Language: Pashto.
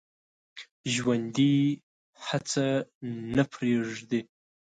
ژوندي هڅه نه پرېږدي